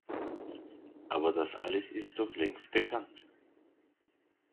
Aber das alles ist doch längst bekannt!